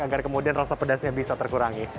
agar kemudian rasa pedasnya bisa terkurangi